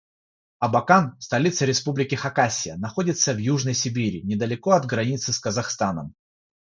Абакан - столица Республики Хакасия, находится в Южной Сибири, недалеко от границы с Казахстаном.